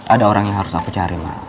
ada orang yang harus aku cari